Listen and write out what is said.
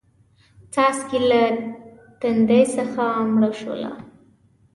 څاڅکې له تندې څخه مړه شوله